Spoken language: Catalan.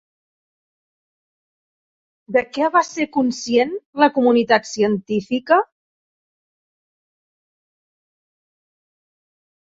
De què va ser conscient la comunitat científica?